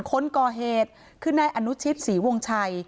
ล้นก่อเหตุขึ้นในอนุชิตศรีวงชัย